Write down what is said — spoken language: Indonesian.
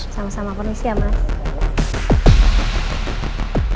sama sama pernisi ya mas